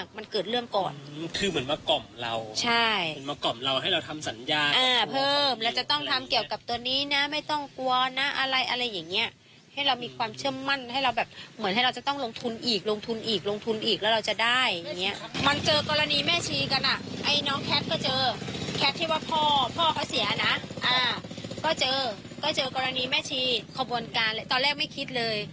ก็เจอกรณีแม่ชีขบวนการตอนแรกไม่คิดเลย